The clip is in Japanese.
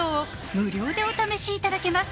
無料でお試しいただけます